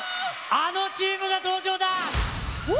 あのチームが登場だ。